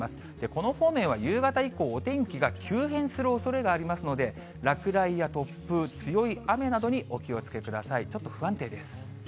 この方面は夕方以降、お天気が急変するおそれがありますので、落雷や突風、強い雨などにお気をつけください。